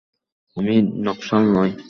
আমি নকশাল নই।